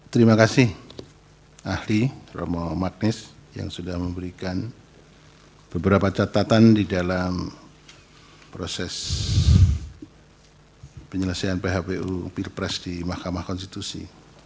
terima kasih ahli romo magnes yang sudah memberikan beberapa catatan di dalam proses penyelesaian phpu pilpres di mahkamah konstitusi